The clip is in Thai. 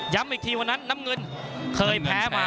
อีกทีวันนั้นน้ำเงินเคยแพ้มา